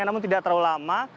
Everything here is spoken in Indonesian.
namun tidak terlalu lama